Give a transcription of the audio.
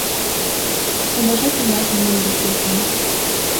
Удажат нимат нунын дене ок лий.